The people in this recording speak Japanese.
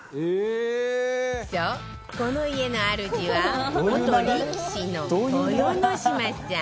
そう、この家のあるじは元力士の豊ノ島さん